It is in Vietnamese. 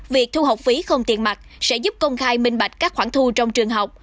việc thu học phí không tiền mặt sẽ giúp công khai minh bạch các khoản thu trong trường học